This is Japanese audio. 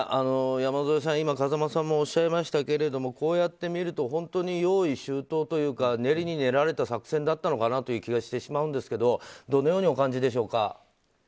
山添さん、今、風間さんもおっしゃいましたけどこうやってみると本当に用意周到というか練りに練られた作戦だったのかなという気がしてしまうんですけどどのようにお感じでしょうか。